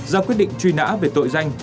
ra quyết định truy nã về tội danh